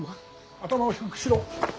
頭を低くしろ。